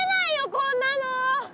こんなの。